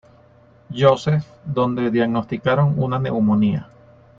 Josef, donde diagnosticaron una neumonía.